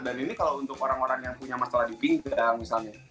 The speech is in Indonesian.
dan ini kalau untuk orang orang yang punya masalah di pinggang misalnya